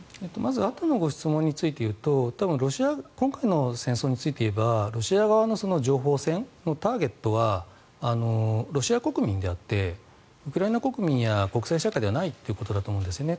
まずあとのご質問についていうと今回の戦争について言えばロシア側の情報戦のターゲットはロシア国民であってウクライナ国民や国際社会ではないということだと思います。